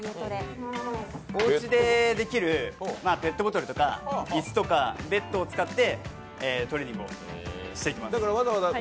おうちでできる、ペットボトルとか椅子とかベッドを使ってトレーニングをしていきます。